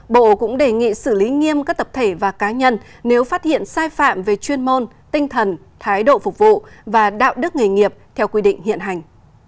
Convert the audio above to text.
bộ cũng đề nghị xử lý nghiêm các tập thể và cá nhân nếu phát hiện sai phạm về chuyên môn tinh thần thái độ phục vụ và đạo đức nghề nghiệp theo quy định hiện hành